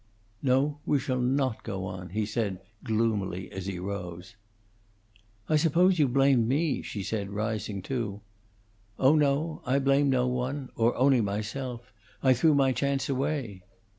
"No, we shall not go on," he said, gloomily, as he rose. "I suppose you blame me," she said, rising too. "Oh no! I blame no one or only myself. I threw my chance away."